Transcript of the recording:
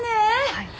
はい。